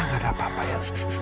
gak ada apa apa ya